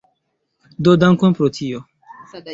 Do dankon pro tio.